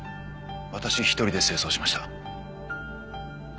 私一人で清掃しました。